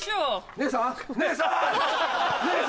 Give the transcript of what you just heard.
姉さん！